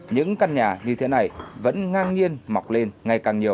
những căn nhà như thế này vẫn ngang nhiên mọc lên ngày càng nhiều